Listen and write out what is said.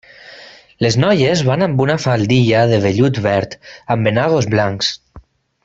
Les noies van amb una faldilla de vellut verd amb enagos blancs.